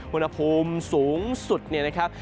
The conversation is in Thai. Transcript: อุณหภูมิสูงสุดเนี่ยนะครับ